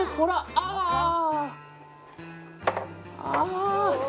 ああ。